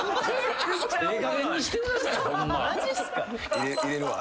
・入れるわ。